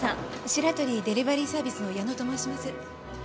シラトリ・デリバリーサービスの矢野と申します。